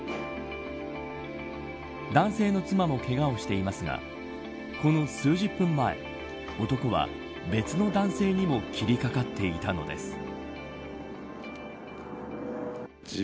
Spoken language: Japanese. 男性の妻もけがをしていますがこの数十分前男は、別の男性にも切りかかっていたのです。